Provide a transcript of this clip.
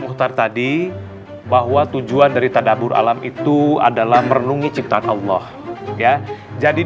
muhtar tadi bahwa tujuan dari tadabur alam itu adalah merenungi ciptaan allah ya jadi